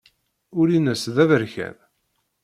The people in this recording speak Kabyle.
Ul-nnes d aberkan.